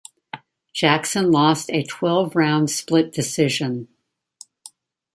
Jackson lost a twelve-round split decision.